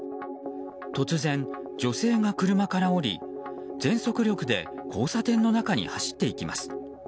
突然、女性が車から降り全速力で交差点の中に走っていきます。